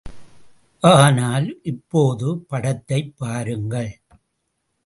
ஆனால் இப்போது படத்தைப் பாருங்கள்.